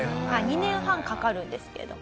２年半かかるんですけど。